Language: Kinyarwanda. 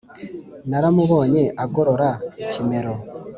naramubonye agorora ikimero,